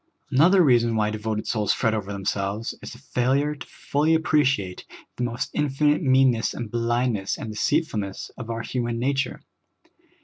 Another reason why devoted souls fret over them selves is the failure to f ull}^ appreciate the most infinite meanness and blindness and deceitfulness of our hu man nature.